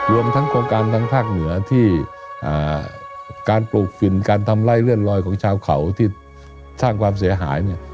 รวมทั้งโครงการทางภาคเหนือที่การปลูกฝิ่นการทำไล่เลื่อนลอยของชาวเขาที่สร้างความเสียหายเนี่ย